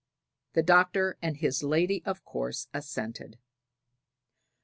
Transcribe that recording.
The Doctor and his lady of course assented.